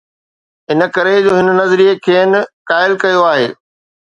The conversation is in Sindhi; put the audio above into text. ان ڪري جو هن نظريي کين قائل ڪيو آهي.